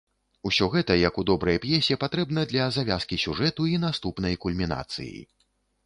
Усё гэта, як у добрай п'есе, патрэбна для завязкі сюжэту і наступнай кульмінацыі.